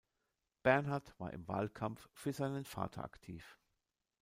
Bernhard war im Wahlkampf für seinen Vater aktiv.